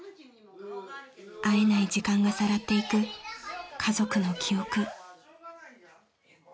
［会えない時間がさらっていく家族の記憶］